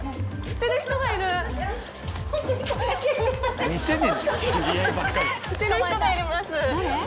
知ってる人がいます。